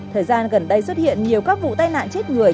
thời gian gần đây xuất hiện nhiều các vụ tai nạn chết người